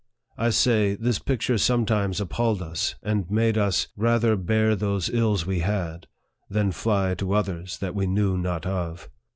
I say, this picture sometimes appalled us, and made us " rather bear those ills we had, Than fly to others, that we knew not of."